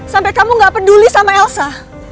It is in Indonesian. sampai kamu gak peduli sama elsa